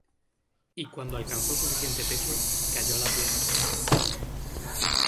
Y cuando alcanzó suficiente peso, cayó a la tierra.